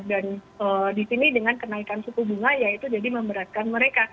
dan di sini dengan kenaikan suku bunga ya itu jadi memberatkan mereka